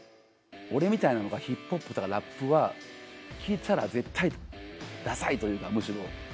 俺みたいのがヒップホップとかラップは聴いたら絶対ダサいというかむしろ。